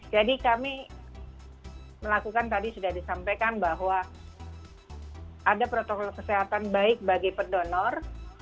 kami melakukan tadi sudah disampaikan bahwa ada protokol kesehatan baik bagi pendonor